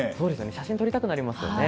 写真を撮りたくなりますよね。